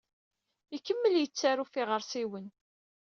Ikemmel yettaru ɣef yiɣersiwen.